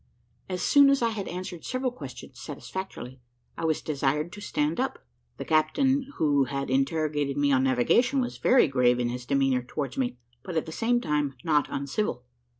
As soon as I had answered several questions satisfactorily, I was desired to stand up. The captain who had interrogated me on navigation, was very grave in his demeanour towards me, but at the same time not uncivil.